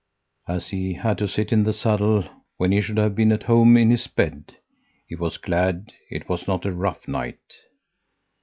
"As he had to sit in the saddle when he should have been at home in his bed, he was glad it was not a rough night.